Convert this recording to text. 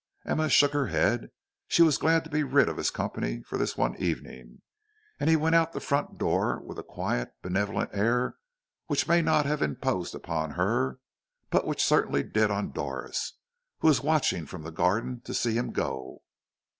Emma shook her head; she was glad to be rid of his company for this one evening; and he went out of the front door with a quiet, benevolent air which may not have imposed on her, but which certainly did on Doris, who was watching from the garden to see him go.